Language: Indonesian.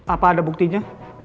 apa ada buktinya